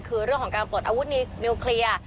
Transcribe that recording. คือเรื่องของการปลดอาวุธนิวเคลียร์